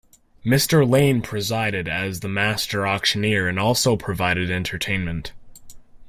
Mr. Lane presided as the master auctioneer and also provided entertainment.